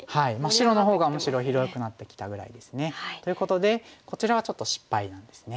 白のほうがむしろ広くなってきたぐらいですね。ということでこちらはちょっと失敗ですね。